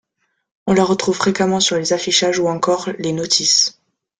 On la retrouve fréquemment sur les affichages ou encore les notices.